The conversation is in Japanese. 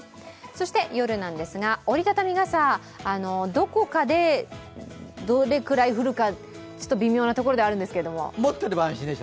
そして夜なんですが、折りたたみ傘どこかでどれくらい降るか微妙なところではあるんですけれども。